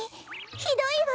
ひどいわ！